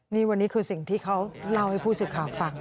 นี่วันนี้คือสิ่งที่เขาเล่าให้ผู้สื่อข่าวฟัง